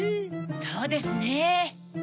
そうですね。